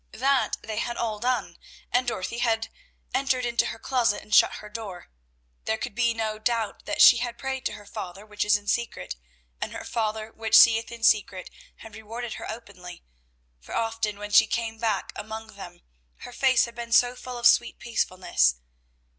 That they had all done, and Dorothy had "entered into her closet, and shut her door." There could be no doubt that she had prayed to her Father which is in secret, and her Father which seeth in secret had rewarded her openly; for, often, when she came back among them, her face had been so full of sweet peacefulness.